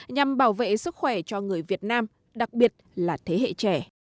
nhằm bảo vệ sức khỏe cho người việt nam đặc biệt là thế hệ trẻ